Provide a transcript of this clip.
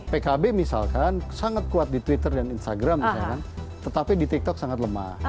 pkb misalkan sangat kuat di twitter dan instagram tetapi di tiktok sangat lemah